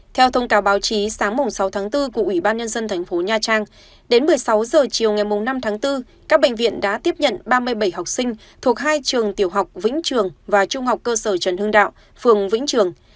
theo thông cáo báo chí sáng sáu tháng bốn của ủy ban nhân dân thành phố nha trang đến một mươi sáu h chiều ngày năm tháng bốn các bệnh viện đã tiếp nhận ba mươi bảy học sinh thuộc hai trường tiểu học vĩnh trường và trung học cơ sở trần hưng đạo phường vĩnh trường